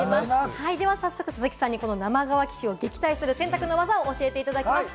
では早速、鈴木さんにこの生乾き臭を撃退する選択の技を教えていただきましょう。